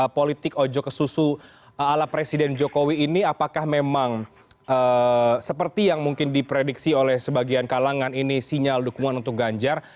politik ojo kesusu ala presiden jokowi ini apakah memang seperti yang mungkin diprediksi oleh sebagian kalangan ini sinyal dukungan untuk ganjar